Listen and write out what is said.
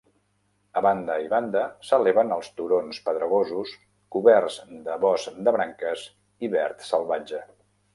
A banda i banda s'eleven els turons pedregosos coberts de bosc de branques i verd salvatge.